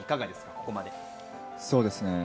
ここまで。